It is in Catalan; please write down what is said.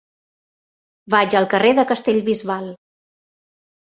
Vaig al carrer de Castellbisbal.